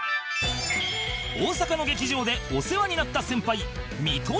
大阪の劇場でお世話になった先輩